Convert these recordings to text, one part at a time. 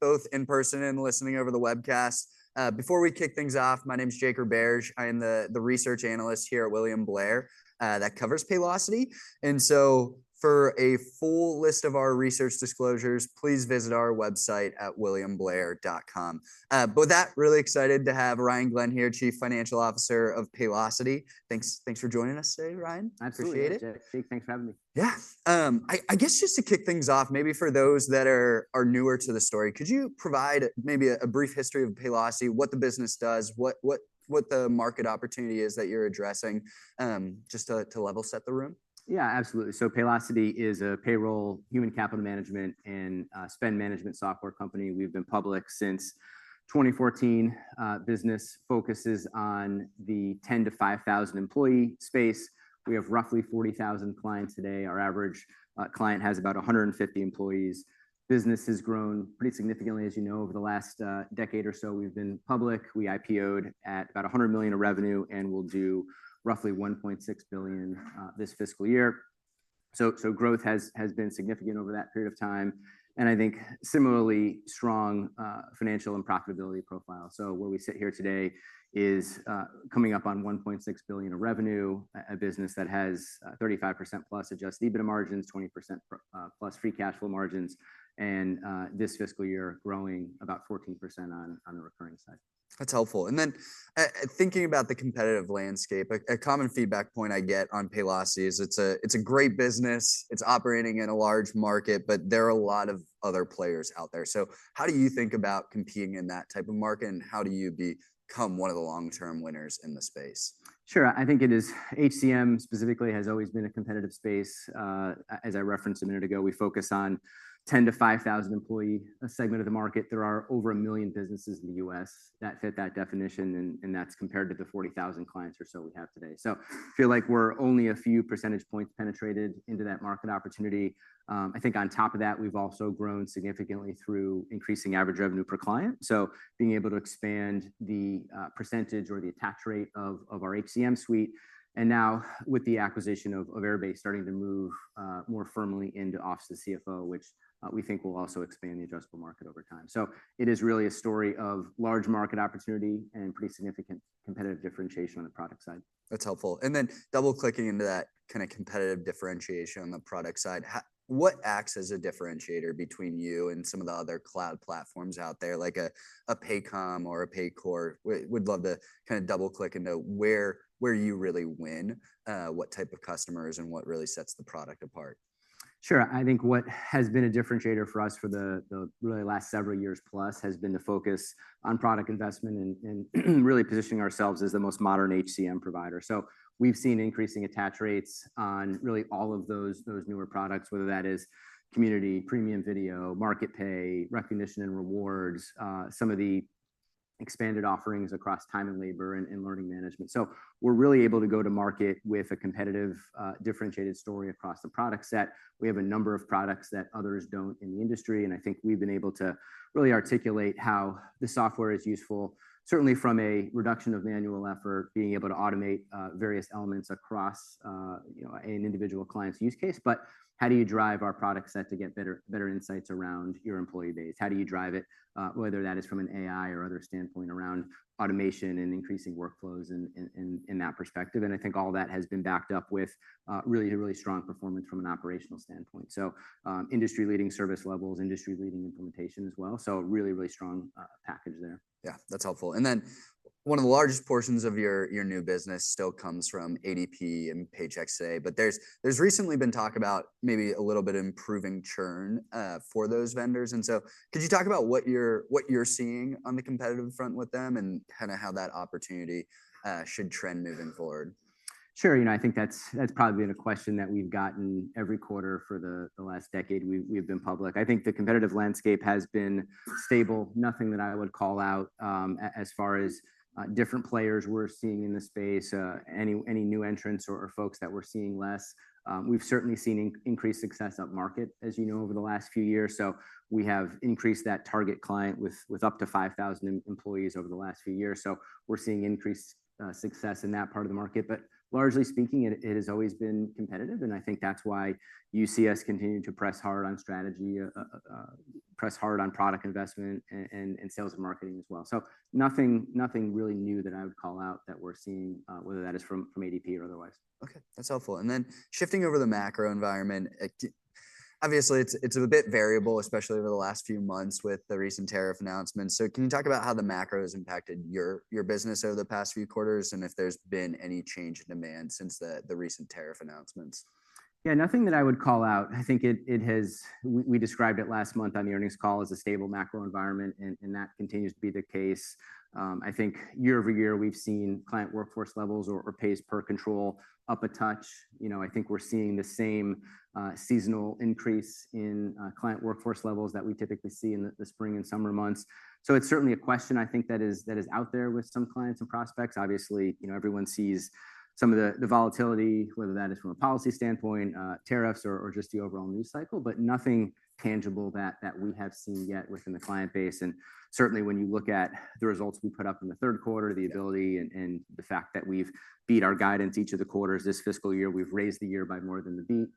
Both in person and listening over the webcast. Before we kick things off, my name is Jacob Bairs. I am the research analyst here at William Blair that covers Paylocity. For a full list of our research disclosures, please visit our website at williamblair.com. With that, really excited to have Ryan Glenn here, Chief Financial Officer of Paylocity. Thanks for joining us today, Ryan. I appreciate it. Thanks, Jacob. Thanks for having me. Yeah. I guess just to kick things off, maybe for those that are newer to the story, could you provide maybe a brief history of Paylocity, what the business does, what the market opportunity is that you're addressing, just to level set the room? Yeah, absolutely. So Paylocity is a payroll, human capital management, and spend management software company. We've been public since 2014. Business focuses on the 10-5,000 employee space. We have roughly 40,000 clients today. Our average client has about 150 employees. Business has grown pretty significantly, as you know, over the last decade or so. We've been public. We IPO ed at about $100 million of revenue and will do roughly $1.6 billion this fiscal year. Growth has been significant over that period of time. I think similarly, strong financial and profitability profile. Where we sit here today is coming up on $1.6 billion of revenue, a business that has 35%+ adjusted EBITDA margins, 20%+ free cash flow margins, and this fiscal year growing about 14% on the recurring side. That's helpful. Then thinking about the competitive landscape, a common feedback point I get on Paylocity is it's a great business. It's operating in a large market, but there are a lot of other players out there. How do you think about competing in that type of market, and how do you become one of the long-term winners in the space? Sure. I think HCM specifically has always been a competitive space. As I referenced a minute ago, we focus on the 10-5,000 employee segment of the market. There are over one million businesses in the U.S. that fit that definition, and that's compared to the 40,000 clients or so we have today. I feel like we're only a few percentage points penetrated into that market opportunity. I think on top of that, we've also grown significantly through increasing average revenue per client. Being able to expand the percentage or the attach rate of our HCM suite. Now with the acquisition of Airbase, starting to move more firmly into Office of the CFO, which we think will also expand the addressable market over time. It is really a story of large market opportunity and pretty significant competitive differentiation on the product side. That's helpful. Then double-clicking into that kind of competitive differentiation on the product side, what acts as a differentiator between you and some of the other cloud platforms out there, like a Paycom or a Paycor? We'd love to kind of double-click into where you really win, what type of customers, and what really sets the product apart. Sure. I think what has been a differentiator for us for the really last several years plus has been the focus on product investment and really positioning ourselves as the most modern HCM provider. We have seen increasing attach rates on really all of those newer products, whether that is Community, Premium Video, Market Pay, Recognition and Rewards, some of the expanded offerings across Time and Labor and Learning Management. We are really able to go to market with a competitive differentiated story across the product set. We have a number of products that others do not in the industry. I think we have been able to really articulate how the software is useful, certainly from a reduction of manual effort, being able to automate various elements across an individual client's use case. How do you drive our product set to get better insights around your employee base? How do you drive it, whether that is from an AI or other standpoint around automation and increasing workflows in that perspective? I think all that has been backed up with really strong performance from an operational standpoint. Industry-leading service levels, industry-leading implementation as well. Really, really strong package there. Yeah, that's helpful. One of the largest portions of your new business still comes from ADP and Paychex today. There's recently been talk about maybe a little bit of improving churn for those vendors. Could you talk about what you're seeing on the competitive front with them and kind of how that opportunity should trend moving forward? Sure. I think that's probably been a question that we've gotten every quarter for the last decade we've been public. I think the competitive landscape has been stable. Nothing that I would call out as far as different players we're seeing in the space, any new entrants or folks that we're seeing less. We've certainly seen increased success up market, as you know, over the last few years. We have increased that target client with up to 5,000 employees over the last few years. We're seeing increased success in that part of the market. Largely speaking, it has always been competitive. I think that's why you see us continue to press hard on strategy, press hard on product investment, and sales and marketing as well. Nothing really new that I would call out that we're seeing, whether that is from ADP or otherwise. OK. That's helpful. Then shifting over the macro environment, obviously, it's a bit variable, especially over the last few months with the recent tariff announcements. Can you talk about how the macro has impacted your business over the past few quarters and if there's been any change in demand since the recent tariff announcements? Yeah, nothing that I would call out. I think we described it last month on the earnings call as a stable macro environment, and that continues to be the case. I think year-over-year, we've seen client workforce levels or pays per control up a touch. I think we're seeing the same seasonal increase in client workforce levels that we typically see in the spring and summer months. It is certainly a question I think that is out there with some clients and prospects. Obviously, everyone sees some of the volatility, whether that is from a policy standpoint, tariffs, or just the overall news cycle, but nothing tangible that we have seen yet within the client base. Certainly, when you look at the results we put up in the third quarter, the ability and the fact that we've beat our guidance each of the quarters this fiscal year, we've raised the year by more than the beat.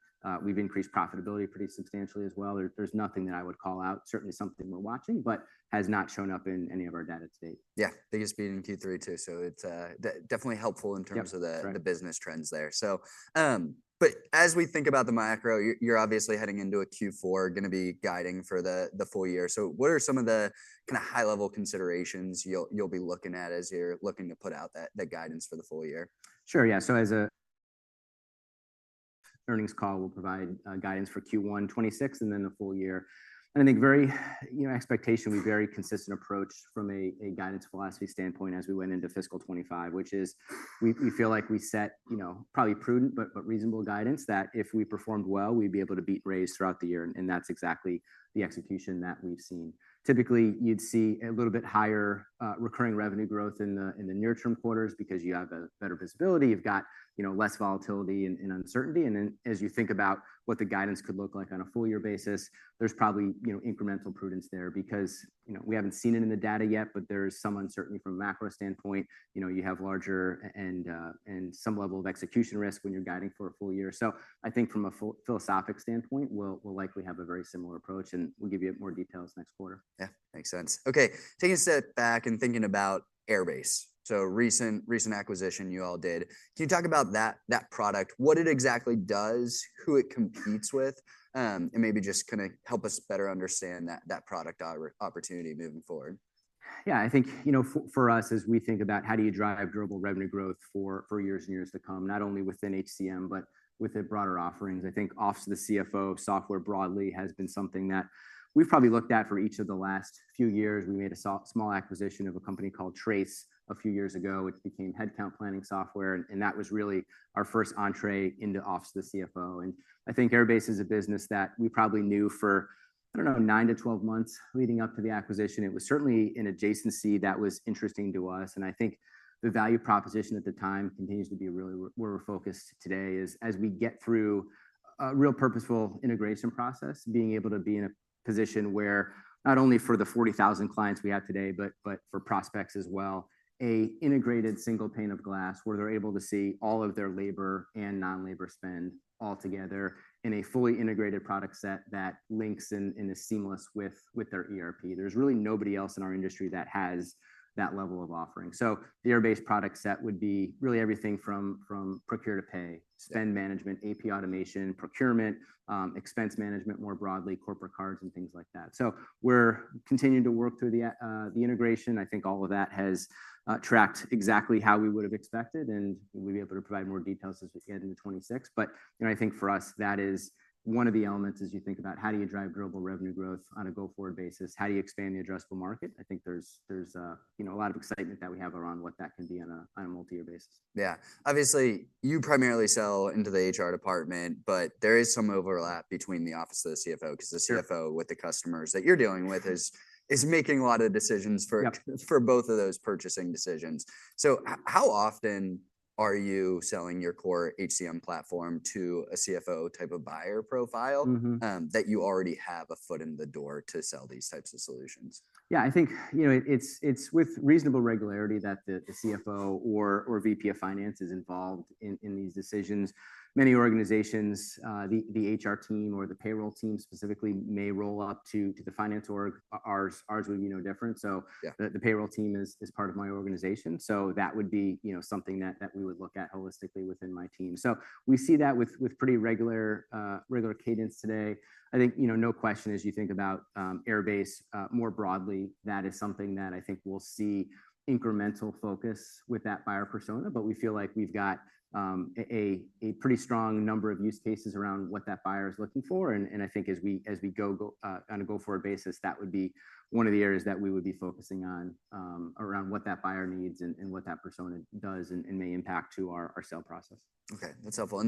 We've increased profitability pretty substantially as well. There's nothing that I would call out, certainly something we're watching, but has not shown up in any of our data to date. Yeah, they just beat in Q3 too. It is definitely helpful in terms of the business trends there. As we think about the macro, you're obviously heading into a Q4, going to be guiding for the full year. What are some of the kind of high-level considerations you'll be looking at as you're looking to put out that guidance for the full year? Sure. Yeah. As earnings call, we'll provide guidance for Q1 2026, and then the full year. I think expectation will be very consistent approach from a guidance philosophy standpoint as we went into fiscal 2025, which is we feel like we set probably prudent but reasonable guidance that if we performed well, we'd be able to beat raise throughout the year. That's exactly the execution that we've seen. Typically, you'd see a little bit higher recurring revenue growth in the near-term quarters because you have better visibility. You've got less volatility and uncertainty. As you think about what the guidance could look like on a full-year basis, there's probably incremental prudence there because we haven't seen it in the data yet, but there's some uncertainty from a macro standpoint. You have larger and some level of execution risk when you're guiding for a full year. I think from a philosophic standpoint, we'll likely have a very similar approach. We'll give you more details next quarter. Yeah, makes sense. OK. Taking a step back and thinking about Airbase, so recent acquisition you all did, can you talk about that product, what it exactly does, who it competes with, and maybe just kind of help us better understand that product opportunity moving forward? Yeah. I think for us, as we think about how do you drive durable revenue growth for years and years to come, not only within HCM but with the broader offerings, I think Office of the CFO software broadly has been something that we've probably looked at for each of the last few years. We made a small acquisition of a company called Trace a few years ago. It became Headcount Planning software. That was really our first entree into Office of the CFO. I think Airbase is a business that we probably knew for, I don't know, 9-12 months leading up to the acquisition. It was certainly an adjacency that was interesting to us. I think the value proposition at the time continues to be really where we're focused today is as we get through a real purposeful integration process, being able to be in a position where not only for the 40,000 clients we have today, but for prospects as well, an integrated single pane of glass where they're able to see all of their labor and non-labor spend all together in a fully integrated product set that links in a seamless way with their ERP. There is really nobody else in our industry that has that level of offering. The Airbase product set would be really everything from procure to pay, spend management, AP automation, procurement, expense management more broadly, corporate cards, and things like that. We are continuing to work through the integration. I think all of that has tracked exactly how we would have expected. We will be able to provide more details as we head into 2026. I think for us, that is one of the elements as you think about how do you drive durable revenue growth on a go-forward basis, how do you expand the addressable market. I think there is a lot of excitement that we have around what that can be on a multi-year basis. Yeah. Obviously, you primarily sell into the HR department, but there is some overlap between the Office of the CFO because the CFO with the customers that you're dealing with is making a lot of decisions for both of those purchasing decisions. How often are you selling your core HCM platform to a CFO type of buyer profile that you already have a foot in the door to sell these types of solutions? Yeah. I think it's with reasonable regularity that the CFO or VP of Finance is involved in these decisions. Many organizations, the HR team or the payroll team specifically may roll up to the finance org. Ours would be no different. The payroll team is part of my organization. That would be something that we would look at holistically within my team. We see that with pretty regular cadence today. I think no question as you think about Airbase more broadly, that is something that I think we'll see incremental focus with that buyer persona. We feel like we've got a pretty strong number of use cases around what that buyer is looking for. I think as we go on a go-forward basis, that would be one of the areas that we would be focusing on around what that buyer needs and what that persona does and may impact to our sale process. OK. That's helpful.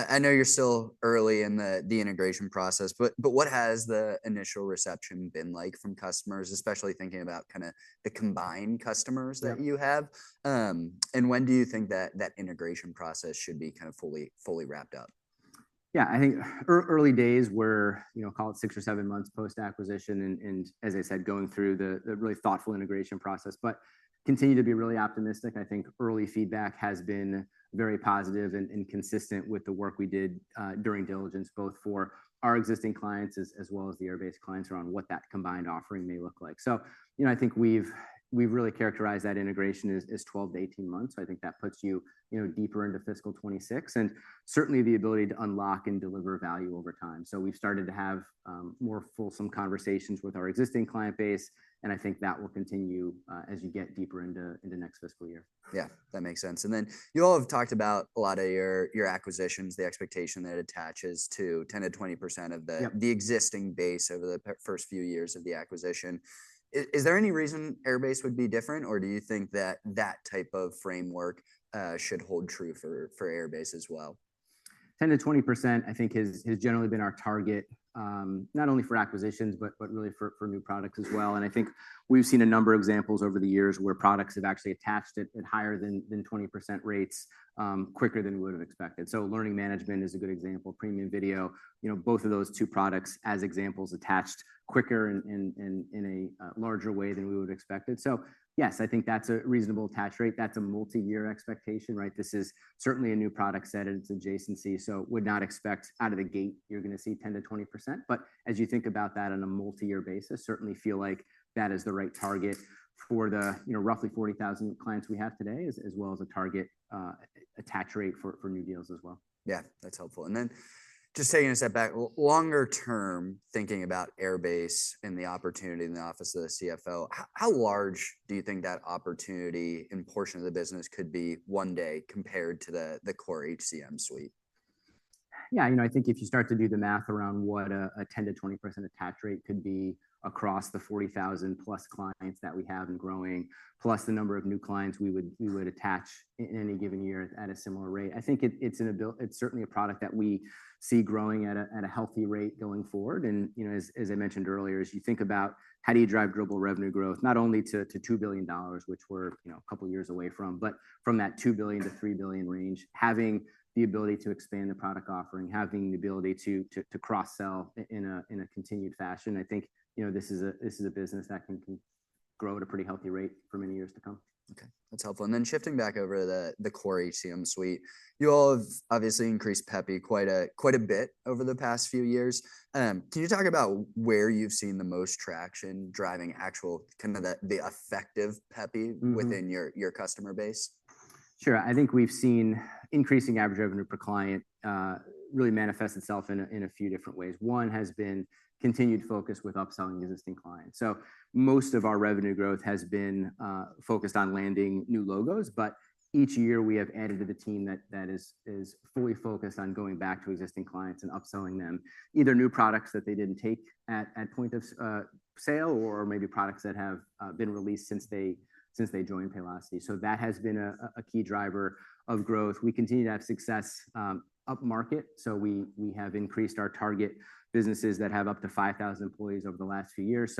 I know you're still early in the integration process, but what has the initial reception been like from customers, especially thinking about kind of the combined customers that you have? When do you think that integration process should be kind of fully wrapped up? Yeah. I think early days, we're, call it, six or seven months post-acquisition and, as I said, going through the really thoughtful integration process. Continue to be really optimistic. I think early feedback has been very positive and consistent with the work we did during diligence, both for our existing clients as well as the Airbase clients around what that combined offering may look like. I think we've really characterized that integration as 12-18 months. I think that puts you deeper into fiscal 2026 and certainly the ability to unlock and deliver value over time. We've started to have more fulsome conversations with our existing client base. I think that will continue as you get deeper into the next fiscal year. Yeah, that makes sense. You all have talked about a lot of your acquisitions, the expectation that attaches to 10%-20% of the existing base over the first few years of the acquisition. Is there any reason Airbase would be different? Or do you think that that type of framework should hold true for Airbase as well? 10%-20%, I think, has generally been our target, not only for acquisitions, but really for new products as well. I think we've seen a number of examples over the years where products have actually attached at higher than 20% rates quicker than we would have expected. Learning Management is a good example, Premium Video, both of those two products as examples attached quicker and in a larger way than we would have expected. Yes, I think that's a reasonable attach rate. That's a multi-year expectation. This is certainly a new product set and its adjacency. Would not expect out of the gate you're going to see 10%-20%. As you think about that on a multi-year basis, certainly feel like that is the right target for the roughly 40,000 clients we have today, as well as a target attach rate for new deals as well. Yeah, that's helpful. Just taking a step back, longer-term thinking about Airbase and the opportunity in the Office of the CFO, how large do you think that opportunity and portion of the business could be one day compared to the core HCM suite? Yeah. I think if you start to do the math around what a 10%-20% attach rate could be across the 40,000+clients that we have and growing, plus the number of new clients we would attach in any given year at a similar rate, I think it's certainly a product that we see growing at a healthy rate going forward. As I mentioned earlier, as you think about how do you drive durable revenue growth, not only to $2 billion, which we're a couple of years away from, but from that $2 billion-$3 billion range, having the ability to expand the product offering, having the ability to cross-sell in a continued fashion, I think this is a business that can grow at a pretty healthy rate for many years to come. OK. That's helpful. Then shifting back over to the core HCM suite, you all have obviously increased PEPI quite a bit over the past few years. Can you talk about where you've seen the most traction driving actual kind of the effective PEPI within your customer base? Sure. I think we've seen increasing average revenue per client really manifest itself in a few different ways. One has been continued focus with upselling existing clients. Most of our revenue growth has been focused on landing new logos. Each year, we have added to the team that is fully focused on going back to existing clients and upselling them either new products that they didn't take at point of sale or maybe products that have been released since they joined Paylocity. That has been a key driver of growth. We continue to have success up market. We have increased our target businesses that have up to 5,000 employees over the last few years.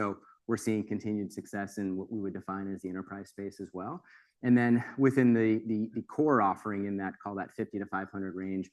We're seeing continued success in what we would define as the enterprise space as well. Within the core offering in that call that $50-$500 range,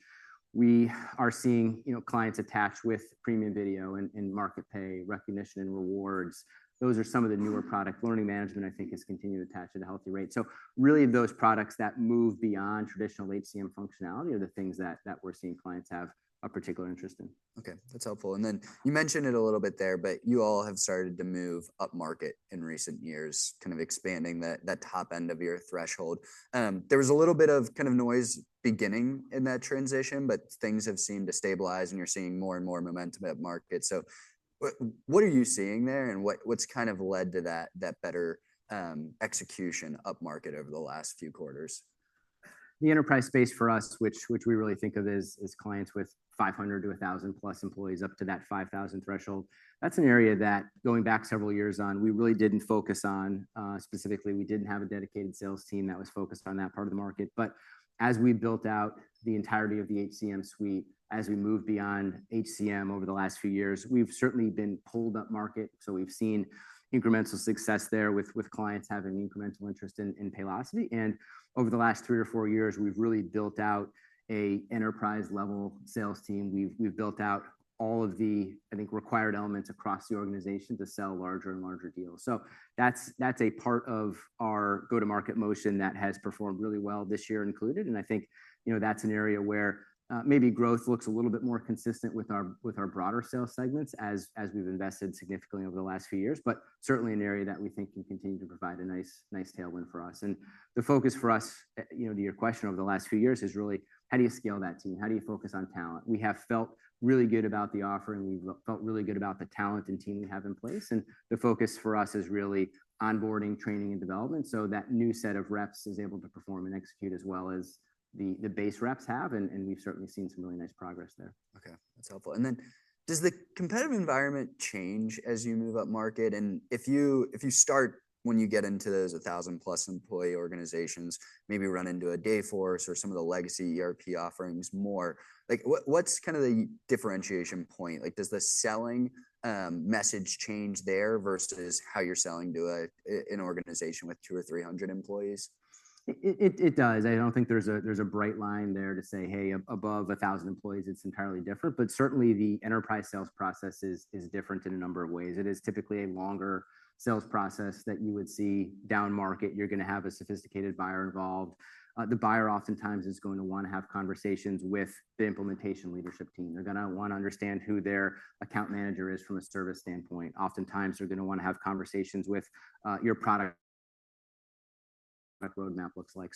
we are seeing clients attach with Premium Video and Market Pay Recognition and Rewards. Those are some of the newer products. Learning Management, I think, has continued to attach at a healthy rate. Really, those products that move beyond traditional HCM functionality are the things that we're seeing clients have a particular interest in. OK. That's helpful. You mentioned it a little bit there, but you all have started to move up market in recent years, kind of expanding that top end of your threshold. There was a little bit of kind of noise beginning in that transition, but things have seemed to stabilize and you're seeing more and more momentum at market. What are you seeing there and what's kind of led to that better execution up market over the last few quarters? The enterprise space for us, which we really think of as clients with 500-1,000+ employees up to that 5,000 threshold, that's an area that going back several years on, we really didn't focus on specifically. We didn't have a dedicated sales team that was focused on that part of the market. As we built out the entirety of the HCM suite, as we moved beyond HCM over the last few years, we've certainly been pulled up market. We've seen incremental success there with clients having incremental interest in Paylocity. Over the last three or four years, we've really built out an enterprise-level sales team. We've built out all of the, I think, required elements across the organization to sell larger and larger deals. That's a part of our go-to-market motion that has performed really well this year included. I think that's an area where maybe growth looks a little bit more consistent with our broader sales segments as we've invested significantly over the last few years, but certainly an area that we think can continue to provide a nice tailwind for us. The focus for us, to your question, over the last few years is really how do you scale that team? How do you focus on talent? We have felt really good about the offering. We've felt really good about the talent and team we have in place. The focus for us is really onboarding, training, and development so that new set of reps is able to perform and execute as well as the base reps have. We've certainly seen some really nice progress there. OK. That's helpful. Does the competitive environment change as you move up market? If you start when you get into those 1,000+ employee organizations, maybe run into a Dayforce or some of the legacy ERP offerings more, what's kind of the differentiation point? Does the selling message change there versus how you're selling to an organization with 200 or 300 employees? It does. I don't think there's a bright line there to say, hey, above 1,000 employees, it's entirely different. Certainly, the enterprise sales process is different in a number of ways. It is typically a longer sales process than you would see down market. You're going to have a sophisticated buyer involved. The buyer oftentimes is going to want to have conversations with the implementation leadership team. They're going to want to understand who their account manager is from a service standpoint. Oftentimes, they're going to want to have conversations with what your product roadmap looks like.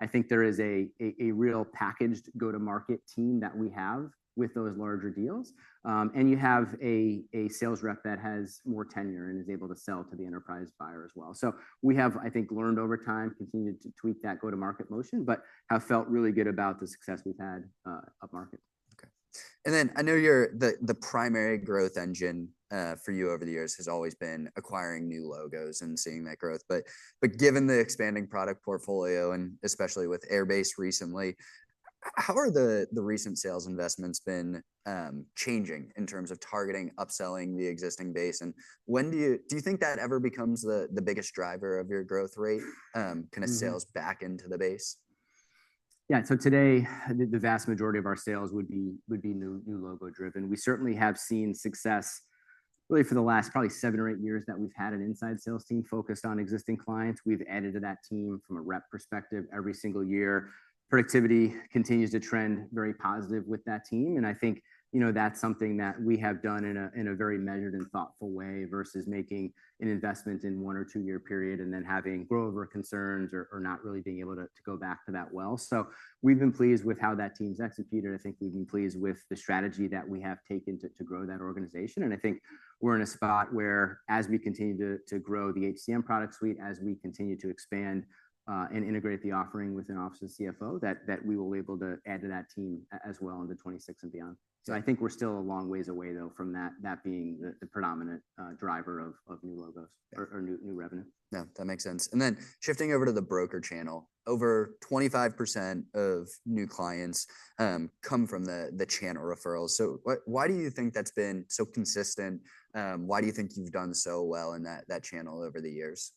I think there is a real packaged go-to-market team that we have with those larger deals. You have a sales rep that has more tenure and is able to sell to the enterprise buyer as well. We have, I think, learned over time, continued to tweak that go-to-market motion, but have felt really good about the success we've had up market. OK. I know the primary growth engine for you over the years has always been acquiring new logos and seeing that growth. Given the expanding product portfolio, and especially with Airbase recently, how have the recent sales investments been changing in terms of targeting upselling the existing base? Do you think that ever becomes the biggest driver of your growth rate, kind of sales back into the base? Yeah. Today, the vast majority of our sales would be new logo driven. We certainly have seen success really for the last probably seven or eight years that we've had an inside sales team focused on existing clients. We've added to that team from a rep perspective every single year. Productivity continues to trend very positive with that team. I think that's something that we have done in a very measured and thoughtful way versus making an investment in a one or two-year period and then having growover concerns or not really being able to go back to that well. We've been pleased with how that team's executed. I think we've been pleased with the strategy that we have taken to grow that organization. I think we're in a spot where, as we continue to grow the HCM product suite, as we continue to expand and integrate the offering within Office of the CFO, that we will be able to add to that team as well in 2026 and beyond. I think we're still a long ways away, though, from that being the predominant driver of new logos or new revenue. Yeah, that makes sense. Then shifting over to the broker channel, over 25% of new clients come from the channel referrals. Why do you think that's been so consistent? Why do you think you've done so well in that channel over the years?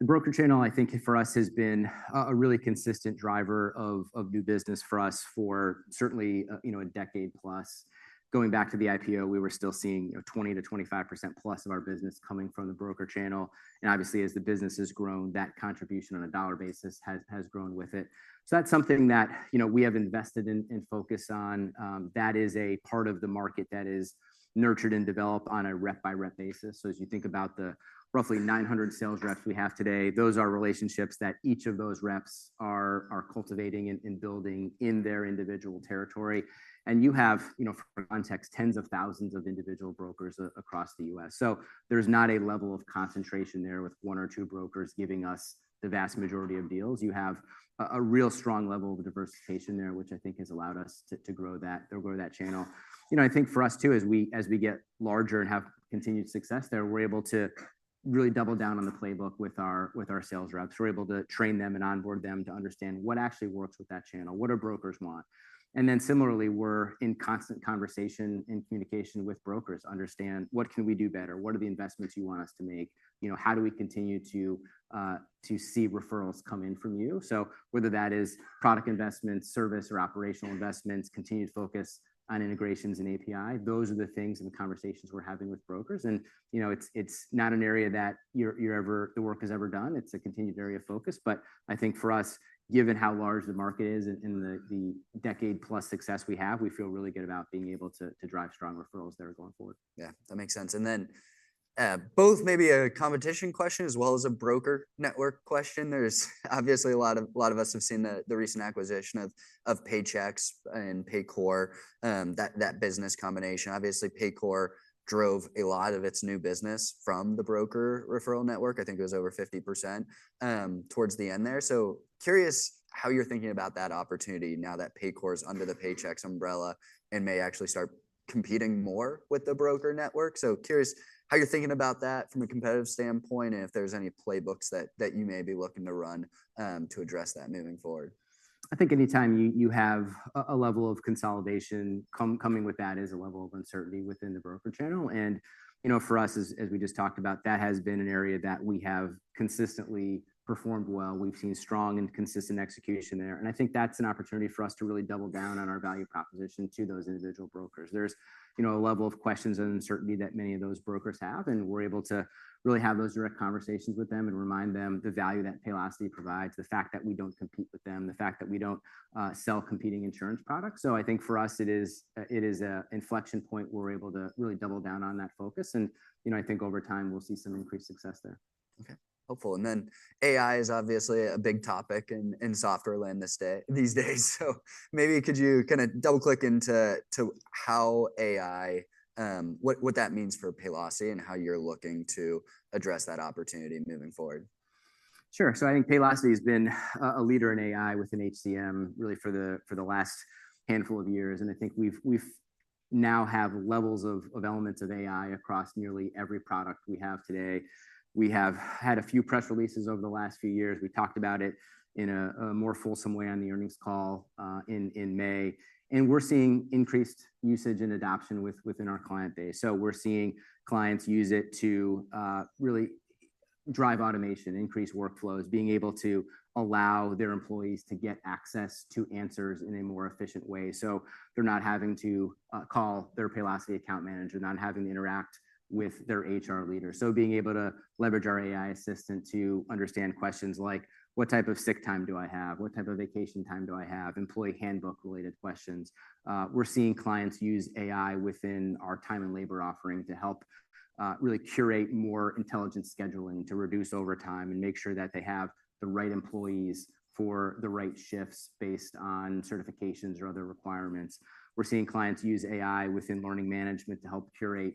The broker channel, I think, for us has been a really consistent driver of new business for us for certainly a decade-plus. Going back to the IPO, we were still seeing 20%-25%+ of our business coming from the broker channel. Obviously, as the business has grown, that contribution on a dollar basis has grown with it. That is something that we have invested in and focused on. That is a part of the market that is nurtured and developed on a rep-by-rep basis. As you think about the roughly 900 sales reps we have today, those are relationships that each of those reps are cultivating and building in their individual territory. For context, you have tens of thousands of individual brokers across the U.S. There is not a level of concentration there with one or two brokers giving us the vast majority of deals. You have a real strong level of diversification there, which I think has allowed us to grow that channel. I think for us, too, as we get larger and have continued success there, we're able to really double down on the playbook with our sales reps. We're able to train them and onboard them to understand what actually works with that channel, what our brokers want. Similarly, we're in constant conversation and communication with brokers. Understand what can we do better? What are the investments you want us to make? How do we continue to see referrals come in from you? Whether that is product investments, service, or operational investments, continued focus on integrations and API, those are the things and the conversations we're having with brokers. It's not an area that the work has ever done. It's a continued area of focus. I think for us, given how large the market is and the decade-plus success we have, we feel really good about being able to drive strong referrals there going forward. Yeah, that makes sense. Both maybe a competition question as well as a broker network question. Obviously, a lot of us have seen the recent acquisition of Paychex and Paycor, that business combination. Obviously, Paycor drove a lot of its new business from the broker referral network. I think it was over 50% towards the end there. Curious how you're thinking about that opportunity now that Paycor is under the Paychex umbrella and may actually start competing more with the broker network. Curious how you're thinking about that from a competitive standpoint and if there's any playbooks that you may be looking to run to address that moving forward. I think any time you have a level of consolidation coming with that is a level of uncertainty within the broker channel. For us, as we just talked about, that has been an area that we have consistently performed well. We've seen strong and consistent execution there. I think that's an opportunity for us to really double down on our value proposition to those individual brokers. There's a level of questions and uncertainty that many of those brokers have. We're able to really have those direct conversations with them and remind them the value that Paylocity provides, the fact that we don't compete with them, the fact that we don't sell competing insurance products. I think for us, it is an inflection point where we're able to really double down on that focus. I think over time, we'll see some increased success there. OK. Helpful. AI is obviously a big topic in software land these days. Maybe could you kind of double-click into how AI, what that means for Paylocity and how you're looking to address that opportunity moving forward? Sure. I think Paylocity has been a leader in AI within HCM really for the last handful of years. I think we now have levels of elements of AI across nearly every product we have today. We have had a few press releases over the last few years. We talked about it in a more fulsome way on the earnings call in May. We are seeing increased usage and adoption within our client base. We are seeing clients use it to really drive automation, increase workflows, being able to allow their employees to get access to answers in a more efficient way so they are not having to call their Paylocity account manager, not having to interact with their HR leader. Being able to leverage our AI assistant to understand questions like, what type of sick time do I have? What type of vacation time do I have? Employee handbook-related questions. We're seeing clients use AI within our Time and Labor offering to help really curate more intelligent scheduling to reduce overtime and make sure that they have the right employees for the right shifts based on certifications or other requirements. We're seeing clients use AI within Learning Management to help curate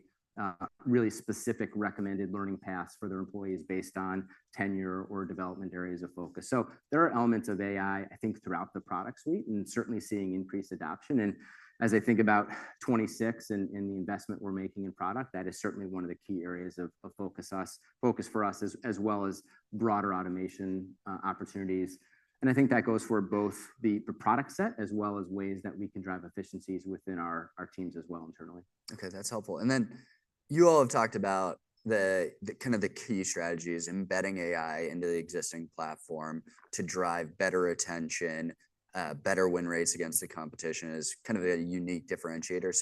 really specific recommended learning paths for their employees based on tenure or development areas of focus. There are elements of AI, I think, throughout the product suite and certainly seeing increased adoption. As I think about 2026 and the investment we're making in product, that is certainly one of the key areas of focus for us as well as broader automation opportunities. I think that goes for both the product set as well as ways that we can drive efficiencies within our teams as well internally. OK. That's helpful. You all have talked about kind of the key strategies, embedding AI into the existing platform to drive better retention, better win rates against the competition is kind of a unique differentiator.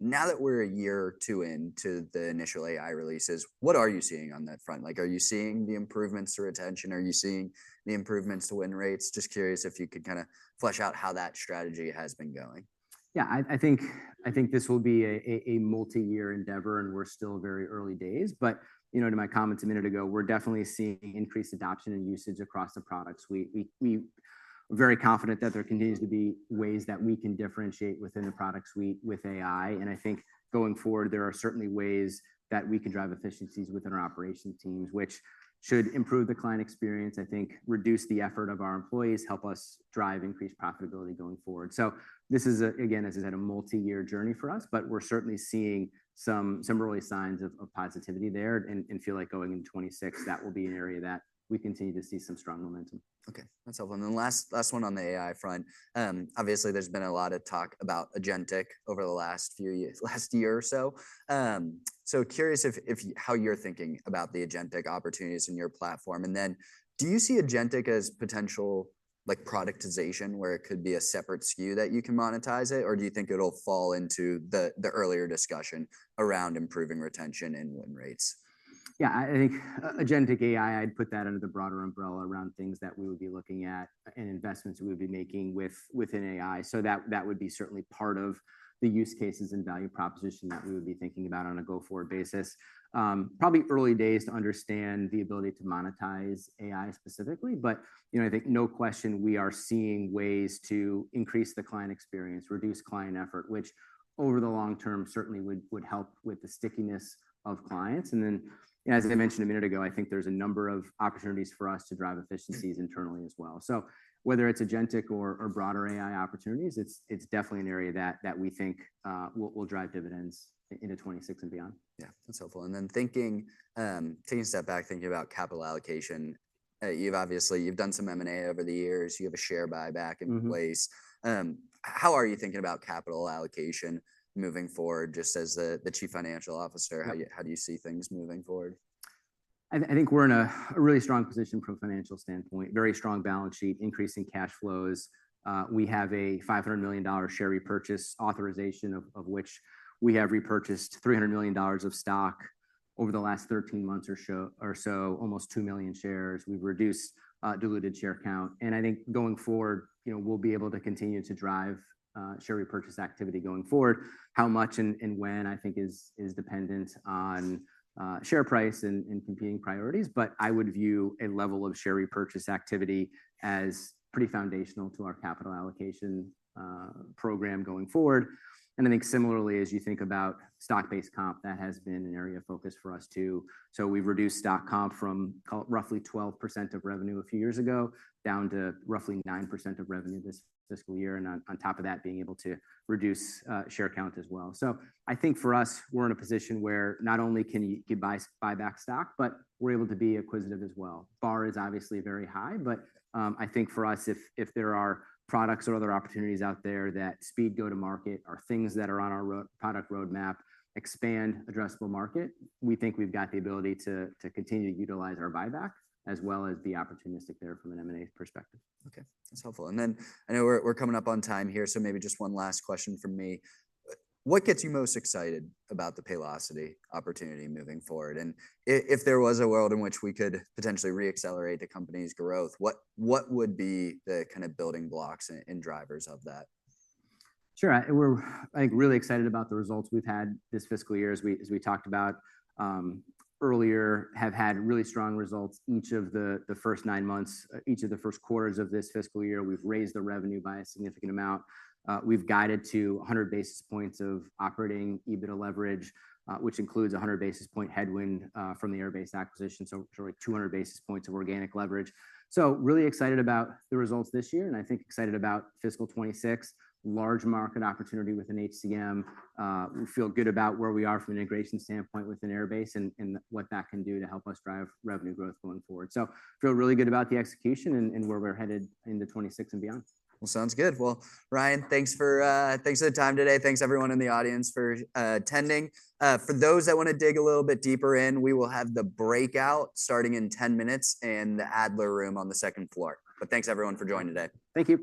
Now that we're a year or two into the initial AI releases, what are you seeing on that front? Are you seeing the improvements to retention? Are you seeing the improvements to win rates? Just curious if you could kind of flesh out how that strategy has been going. Yeah. I think this will be a multi-year endeavor. We're still very early days. To my comments a minute ago, we're definitely seeing increased adoption and usage across the product suite. We are very confident that there continues to be ways that we can differentiate within the product suite with AI. I think going forward, there are certainly ways that we can drive efficiencies within our operations teams, which should improve the client experience, reduce the effort of our employees, help us drive increased profitability going forward. This is, again, as I said, a multi-year journey for us. We're certainly seeing some early signs of positivity there. I feel like going into 2026, that will be an area that we continue to see some strong momentum. OK. That's helpful. Last one on the AI front. Obviously, there's been a lot of talk about Agentic over the last year or so. Curious how you're thinking about the Agentic opportunities in your platform. Do you see Agentic as potential productization where it could be a separate SKU that you can monetize? Or do you think it'll fall into the earlier discussion around improving retention and win rates? Yeah. I think Agentic AI, I'd put that under the broader umbrella around things that we would be looking at and investments we would be making within AI. That would be certainly part of the use cases and value proposition that we would be thinking about on a go-forward basis. Probably early days to understand the ability to monetize AI specifically. I think no question we are seeing ways to increase the client experience, reduce client effort, which over the long-term certainly would help with the stickiness of clients. As I mentioned a minute ago, I think there's a number of opportunities for us to drive efficiencies internally as well. Whether it's Agentic or broader AI opportunities, it's definitely an area that we think will drive dividends into 2026 and beyond. Yeah. That's helpful. Taking a step back, thinking about capital allocation, obviously, you've done some M&A over the years. You have a share buyback in place. How are you thinking about capital allocation moving forward? Just as the Chief Financial Officer, how do you see things moving forward? I think we're in a really strong position from a financial standpoint, very strong balance sheet, increasing cash flows. We have a $500 million share repurchase authorization, of which we have repurchased $300 million of stock over the last 13 months or so, almost 2 million shares. We've reduced diluted share count. I think going forward, we'll be able to continue to drive share repurchase activity going forward. How much and when, I think, is dependent on share price and competing priorities. I would view a level of share repurchase activity as pretty foundational to our capital allocation program going forward. I think similarly, as you think about stock-based comp, that has been an area of focus for us, too. We've reduced stock comp from roughly 12% of revenue a few years ago down to roughly 9% of revenue this fiscal year. On top of that, being able to reduce share count as well. I think for us, we're in a position where not only can you buy back stock, but we're able to be acquisitive as well. Bar is obviously very high. I think for us, if there are products or other opportunities out there that speed go-to-market or things that are on our product roadmap, expand addressable market, we think we've got the ability to continue to utilize our buyback as well as be opportunistic there from an M&A perspective. OK. That's helpful. I know we're coming up on time here. Maybe just one last question from me. What gets you most excited about the Paylocity opportunity moving forward? If there was a world in which we could potentially re-accelerate the company's growth, what would be the kind of building blocks and drivers of that? Sure. I think really excited about the results we've had this fiscal year, as we talked about earlier, have had really strong results. Each of the first nine months, each of the first quarters of this fiscal year, we've raised the revenue by a significant amount. We've guided to 100 basis points of operating EBITDA leverage, which includes 100 basis point headwind from the Airbase acquisition, so 200 basis points of organic leverage. Really excited about the results this year. I think excited about fiscal 2026, large market opportunity within HCM. We feel good about where we are from an integration standpoint within Airbase and what that can do to help us drive revenue growth going forward. I feel really good about the execution and where we're headed into 2026 and beyond. Sounds good. Ryan, thanks for the time today. Thanks, everyone in the audience, for attending. For those that want to dig a little bit deeper in, we will have the breakout starting in 10 minutes in the Adler Room on the second floor. Thanks, everyone, for joining today. Thank you.